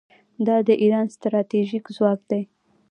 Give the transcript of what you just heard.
دا د ایران ستراتیژیک ځواک دی.